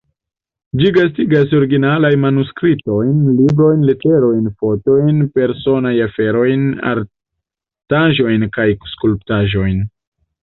Ĝi gastigas originalaj manuskriptojn, librojn, leterojn, fotojn, personaj aferojn, artaĵojn kaj skulptaĵojn.